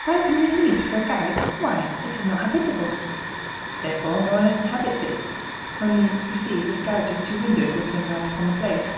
"Five hundred livres for a garret? Why, it is not habitable." "Therefore no one inhabits it; only, you see, this garret has two windows which look out upon the Place."